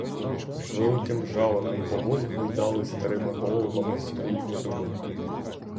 З великим жалем, поволі гойдали старими головами столітні дуби.